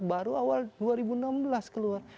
baru awal dua ribu enam belas keluar